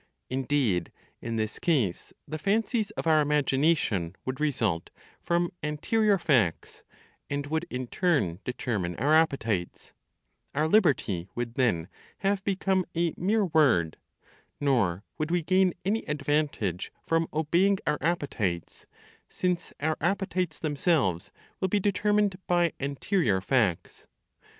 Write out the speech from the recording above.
Indeed, in this case, the fancies of our imagination would result from anterior facts, and would in turn determine our appetites; our liberty would then have become a mere word; nor would we gain any advantage from obeying our appetites, since our appetites themselves will be determined by anterior facts.